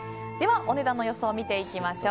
お値段の予想見ていきましょう。